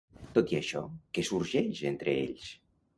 Tot i això, què sorgeix entre ells?